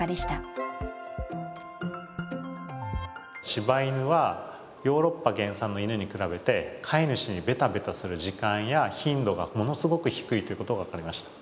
柴犬はヨーロッパ原産の犬に比べて飼い主にベタベタする時間や頻度がものすごく低いということが分かりました。